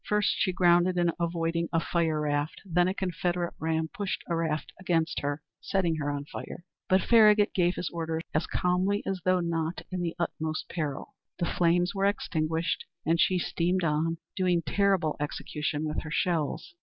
First she grounded in avoiding a fire raft; then a Confederate ram pushed a raft against her, setting her on fire; but Farragut gave his orders as calmly as though not in the utmost peril. The flames were extinguished, and she steamed on, doing terrible execution with her shells.